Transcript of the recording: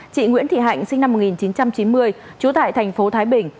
chị nguyễn thị hạnh sinh năm một nghìn chín trăm chín mươi trú tại thành phố thái bình